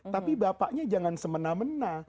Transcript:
tapi bapaknya jangan semena mena